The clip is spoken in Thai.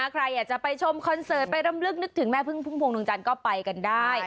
ใครอยากจะไปชมคอนเสิร์ตไปรำลึกนึกถึงแม่พึ่งพุ่มพวงดวงจันทร์ก็ไปกันได้